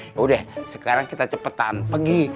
yaudah sekarang kita cepetan pergi